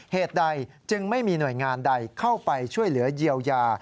เหตุใดจึงไม่มีหน่วยงานใดเข้าไปช่วยเหลือเยียวยา